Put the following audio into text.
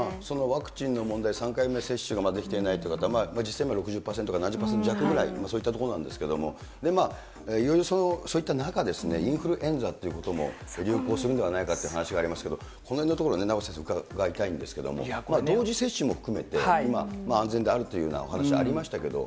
ワクチンの問題、３回目接種ができていないという方、実際、６０％から７０％弱ぐらい、そういったとこなんですけど、いろいろそういった中、インフルエンザということも、流行するのではないかという話がありますけれども、このへんのところね、名越先生に伺いたいんですけれども、同時接種も含めて今、安全であるというようなお話ありましたけど。